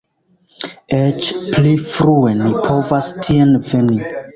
Eĉ pli frue ni povas tien veni!